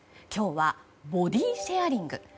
今日はボディシェアリング。